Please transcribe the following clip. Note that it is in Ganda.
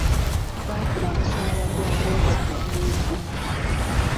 Saafuna musaala gwa mwezi guwedde.